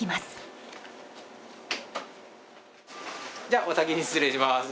じゃあお先に失礼します。